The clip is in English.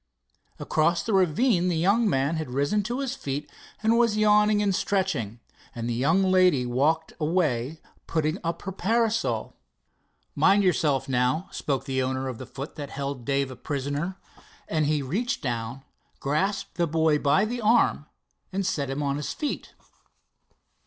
Across the ravine the young man had risen to his feet and was yawning and stretching, and the young lady walked away putting up her parasol. "Mind yourself, now," spoke the owner of the foot that held Dave a prisoner, and he reached down, grasped the boy by the arm and set him on his feet.